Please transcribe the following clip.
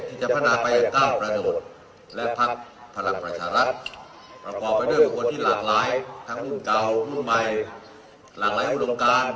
แต่ทุกคนจะต้องรบมือกันทำงานจินหลักประธานการณ์ของเมืองคุมชาติเป็นหลัก